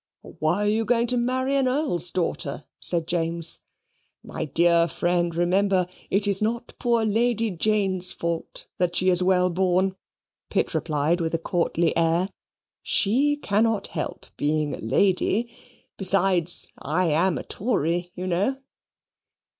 "Why are you going to marry an Earl's daughter?" said James. "My dear friend, remember it is not poor Lady Jane's fault that she is well born," Pitt replied, with a courtly air. "She cannot help being a lady. Besides, I am a Tory, you know."